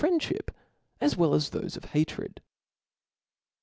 friendship, as well as thofe of hatred.